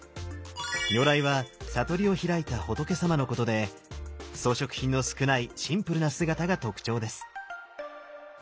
如来は悟りを開いた仏様のことで装飾品の少ないシンプルな姿が特徴です。